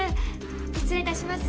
失礼いたします。